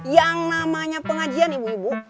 yang namanya pengajian ibu ibu